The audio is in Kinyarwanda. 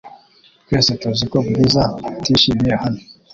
Twese tuzi ko Bwiza atishimiye hano .